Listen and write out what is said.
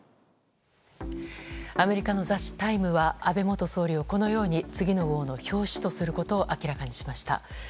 アメリカの雑誌「タイム」は安倍元総理をこのように次の号の表紙とすることを明らかにしました。